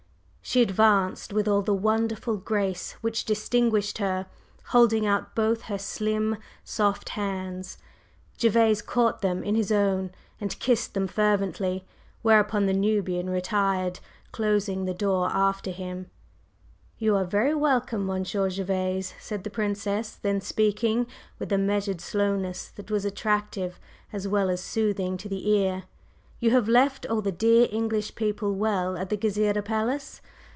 She advanced with all the wonderful grace which distinguished her, holding out both her slim, soft hands. Gervase caught them in his own and kissed them fervently, whereupon the Nubian retired, closing the door after him. "You are very welcome, Monsieur Gervase," said the Princess then, speaking with a measured slowness that was attractive as well as soothing to the ear. "You have left all the dear English people well at the Gezireh Palace?